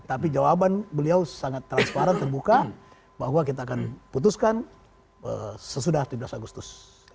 tapi jawaban beliau sangat transparan terbuka bahwa kita akan putuskan sesudah tujuh belas agustus